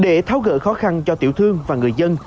để tháo gỡ khó khăn cho tiểu thương và người dân